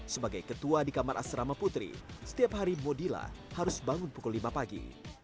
sebagai ketua di kamar asrama putri setiap hari modila harus bangun pukul lima pagi